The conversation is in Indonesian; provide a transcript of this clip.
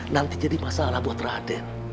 nanti jadi masalah buat raden